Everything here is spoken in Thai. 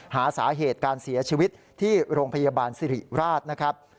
หาสาเหตุการเสียชีวิตที่โรงพยาบาลสิริราชนะครับ